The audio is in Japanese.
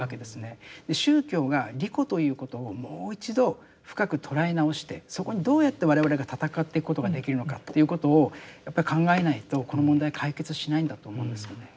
宗教が利己ということをもう一度深く捉え直してそこにどうやって我々がたたかっていくことができるのかということをやっぱり考えないとこの問題解決しないんだと思うんですよね。